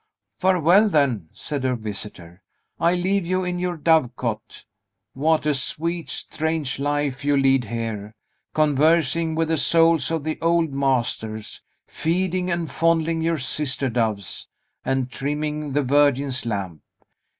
"Farewell, then," said her visitor. "I leave you in your dove cote. What a sweet, strange life you lead here; conversing with the souls of the old masters, feeding and fondling your sister doves, and trimming the Virgin's lamp!